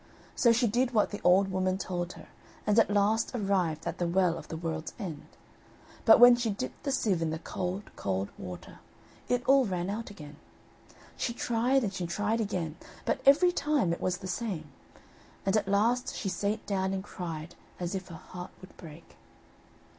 So she did what the old woman told her, and at last arrived at the Well of the World's End. But when she dipped the sieve in the cold, cold water, it all ran out again. She tried and she tried again, but every time it was the same; and at last she sate down and cried as if her heart would break.